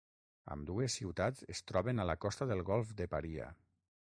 Ambdues ciutats es troben a la costa del golf de Paria.